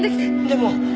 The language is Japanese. でも。